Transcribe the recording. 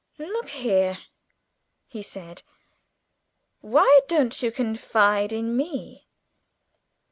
"Look here," he said: "why don't you confide in me?